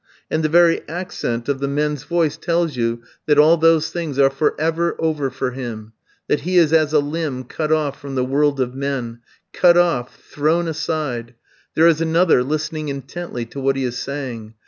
And the very accent of the man's voice tells you that all those things are for ever over for him, that he is as a limb cut off from the world of men, cut off, thrown aside; there is another, listening intently to what he is saying.